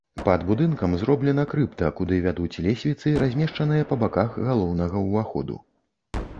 Пад будынкам зроблена крыпта, куды вядуць лесвіцы, размешчаныя па баках галоўнага ўваходу.